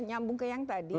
nyambung ke yang tadi